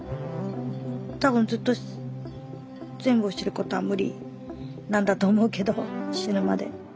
多分ずっと全部を知ることは無理なんだと思うけど死ぬまで。